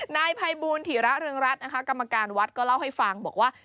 นายภัยบูลถิระเรืองรัฐนะคะกรรมการวัดก็เล่าให้ฟังบอกว่า